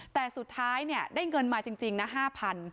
แต่สุดท้ายเนี่ยได้เงินมาจริงนะ๕๐๐บาท